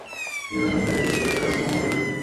Lleva el nombre del libertador Simón Bolívar.